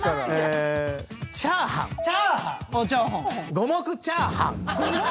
五目チャーハン